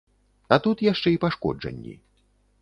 А тут яшчэ і пашкоджанні.